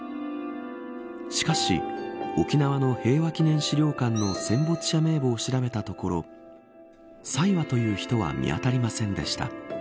しかし、沖縄の平和祈念資料館の戦没者名簿を調べたところ佐岩という人は見当たりませんでした。